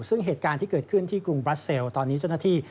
ซึ่งเหตุการณ์ที่เกิดขึ้นที่กรุงบราเซลตอนนี้เจ้าหน้าที่